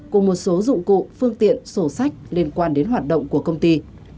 cùng một số dụng cụ phương tiện sổ sách liên quan đến hoạt động của công ty